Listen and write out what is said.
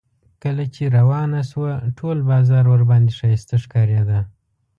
کله چې روانه شوه ټول بازار ورباندې ښایسته ښکارېده.